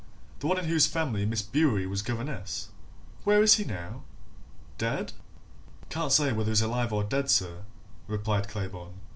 "The one in whose family Miss Bewery was governess where is he now? Dead?" "Can't say whether he's dead or alive, sir," replied Claybourne.